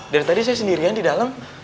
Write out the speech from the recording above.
dari tadi saya sendirian di dalam